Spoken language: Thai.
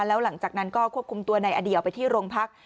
แล้วหลังจากนั้นก็ควบคุมตัวในอเดี่ยวไปที่โรงพัก